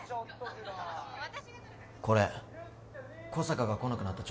これ小坂が来なくなった